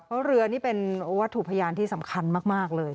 เพราะเรือนี่เป็นวัตถุพยานที่สำคัญมากเลย